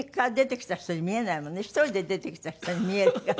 １人で出てきた人に見えるから。